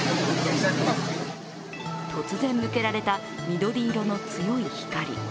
突然向けられた緑色の強い光。